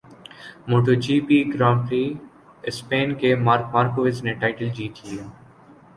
motto G P grand prix Spain کے Marc Marquez نےٹائٹل جیت لیا